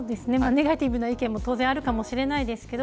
ネガティブな意見もあるかもしれませんが。